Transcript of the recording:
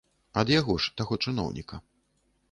Ад яго ж, таго чыноўніка.